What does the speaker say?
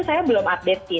saya belum update sih